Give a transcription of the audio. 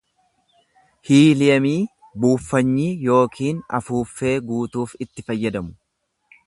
Hiiliyemii buuffanyii yookiin afuuffee guutuuf itti fayyadamu.